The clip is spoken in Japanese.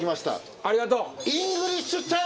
ありがとう。